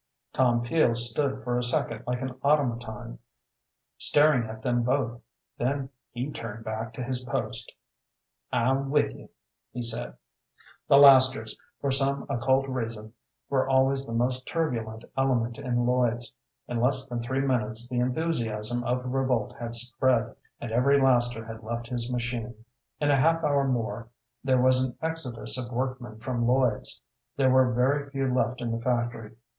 Tom Peel stood for a second like an automaton, staring at them both. Then he turned back to his post. "I'm with ye," he said. The lasters, for some occult reason, were always the most turbulent element in Lloyd's. In less than three minutes the enthusiasm of revolt had spread, and every laster had left his machine. In a half hour more there was an exodus of workmen from Lloyd's. There were very few left in the factory.